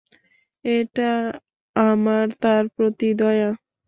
এটা আমার তার প্রতি দয়া।